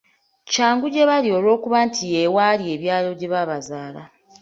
Kyangu gye bali olw’okuba nti ye wali ebyalo gye babazaala.